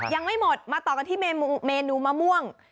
ยังไม่หมดมาต่อกันที่เมนูมะม่วง